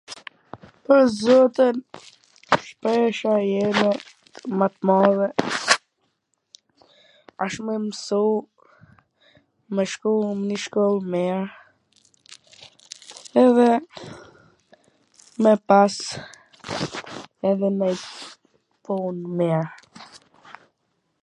Pwr zotin, shpresha ime mw t madhe asht me msu me shku nw nj shkoll t mir edhe me pas edhe ndonj pun t mir.